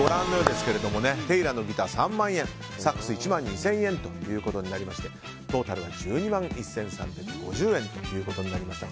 テイラーのギター、３万円サックス１万２０００円ということになりましてトータルが１２万１３５０円ということになりました。